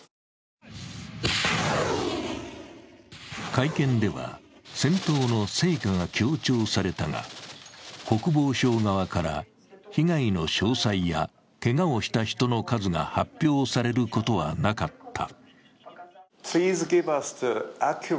会見では、戦闘の成果が強調されたが、国防省側から被害の詳細やけがをした人の数が発表されることはなかった。